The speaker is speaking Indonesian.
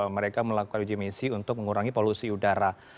mereka melakukan uji misi untuk mengurangi polusi udara